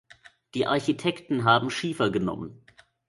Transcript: Die Architekten haben Schiefer genommen.